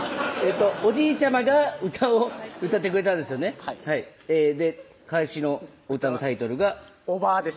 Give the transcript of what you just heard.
おじいちゃまが歌を歌ってくれたんですよねで返しの歌のタイトルがおばぁです